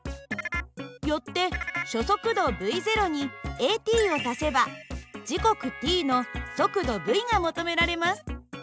よって初速度υにａｔを足せば時刻ｔの速度υが求められます。